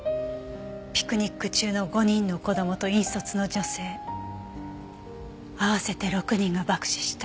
ピクニック中の５人の子供と引率の女性合わせて６人が爆死した。